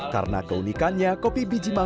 karena keunikan kopi ini bisa dikosong